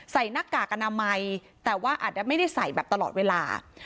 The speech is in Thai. หน้ากากอนามัยแต่ว่าอาจจะไม่ได้ใส่แบบตลอดเวลา